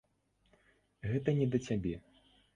Гэта не да цябе.